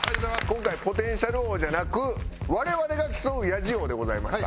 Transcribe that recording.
今回「ポテンシャル王」じゃなく我々が競う「ヤジ王」でございました。